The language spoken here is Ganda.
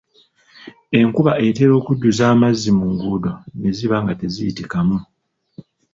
Enkuba etera okujjuza amazzi mu nguudo ne ziba nga teziyitikamu.